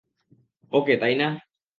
ওকে তাই না?